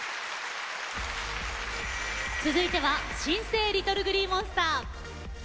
続いては新生ＬｉｔｔｌｅＧｌｅｅＭｏｎｓｔｅｒ。